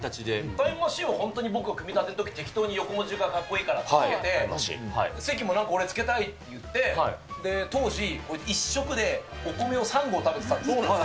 タイムマシーンは僕、組み立てのときに適当に横文字がかっこいいからってつけて、関もなんか俺、付けたいっていって、当時、１食でお米を３合食べてたんですよ。